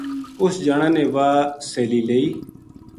اُس جنا نے واہ سیلی لئی